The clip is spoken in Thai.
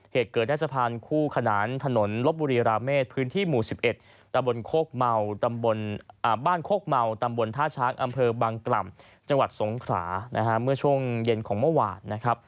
เหตุเกิดได้สะพานคู่ขนานถนนลบบุรีราเมษพื้นที่หมู่๑๑ตะบนโคกเมาตำบลบ้านโคกเมาตำบลท่าช้างอำเภอบางกล่ำจังหวัดสงขรานะฮะเมื่อช่วงเย็นของเมื่อวานนะครับ